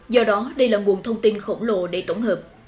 do đó đây là nguồn thông tin khổng lồ để tổng hợp